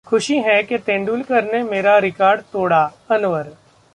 खुशी है कि तेंदुलकर ने मेरा रिकार्ड तोड़ा: अनवर